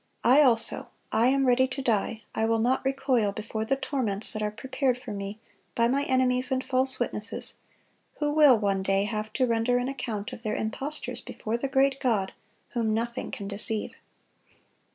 I also—I am ready to die: I will not recoil before the torments that are prepared for me by my enemies and false witnesses, who will one day have to render an account of their impostures before the great God, whom nothing can deceive."